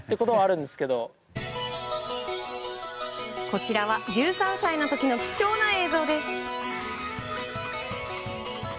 こちらは１３歳の時の貴重な映像です。